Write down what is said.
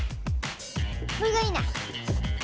これがいいな！